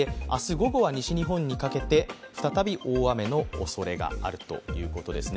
午後は西日本にかけて再び大雨のおそれがあるということですね。